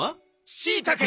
シイタケ！